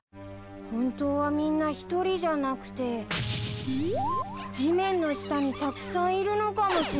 本当はみんな１人じゃなくて地面の下にたくさんいるのかもしれない。